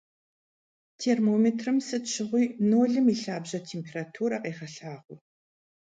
Термометрым сыт щыгъуи нолым и лъабжьэ температурэ къегъэлъагъуэ.